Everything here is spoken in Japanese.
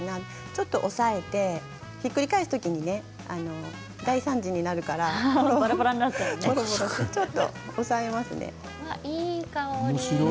ちょっと押さえてひっくり返す時に大惨事になるからちょっと押さえますね。